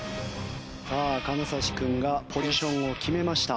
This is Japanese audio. さあ金指君がポジションを決めました。